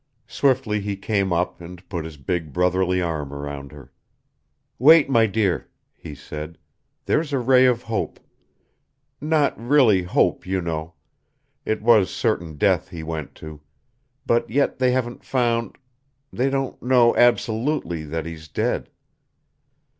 Swiftly he came up and put his big, brotherly arm around her. "Wait, my dear," he said. "There's a ray of hope. Not really hope, you know it was certain death he went to but yet they haven't found they don't know, absolutely, that he's dead."